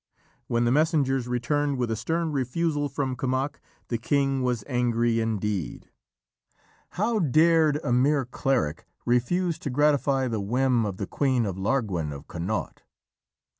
When the messengers returned with a stern refusal from Kemoc, the king was angry indeed. How dared a mere cleric refuse to gratify the whim of the queen of Larguen of Connaught!